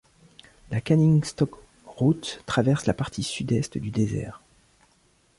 La Canning Stock Route traverse la partie sud-est du désert.